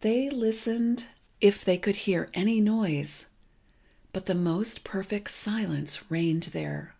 They listened if they could hear any noise, but the most perfect silence reigned there.